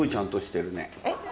えっ？